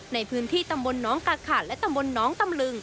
ในพื้นที่ตำบลน้องกาขาดและตำบลน้องตำลึง